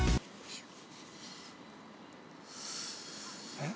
「えっ？」